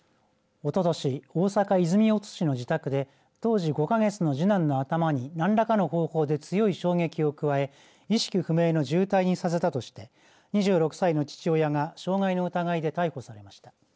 おととし大阪、泉大津市の自宅で当時５か月の次男の頭に何らかの方法で強い衝撃を加え意識不明の重体にさせたととして２６歳の父親が傷害の疑いで逮捕されました。